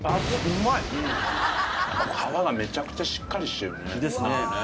皮がめちゃくちゃしっかりしてるね。ですね。